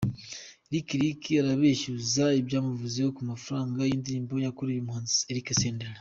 Lick Lick arabeshyuza ibyamuvuzweho ku mafaranga yindirimbo yakoreye umuhanzi Eric Senderi.